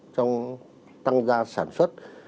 trong tăng gia sản xuất